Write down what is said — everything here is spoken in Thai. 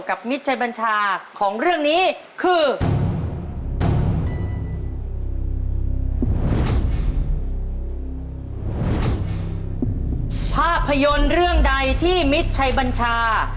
ภาพยนตร์เรื่องใดที่มิตรชัยบัญชา